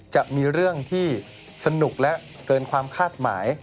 จะมีเรื่องที่สนุกและเกินความคาดหมาย